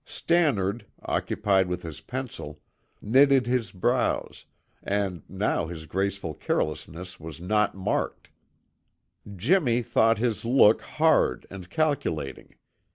Stannard, occupied with his pencil, knitted his brows, and now his graceful carelessness was not marked; Jimmy thought his look hard and calculating.